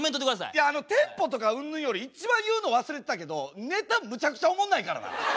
いやテンポとかうんぬんより一番言うの忘れてたけどネタむちゃくちゃおもんないからな。